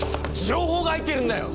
情報が入っているんだよ！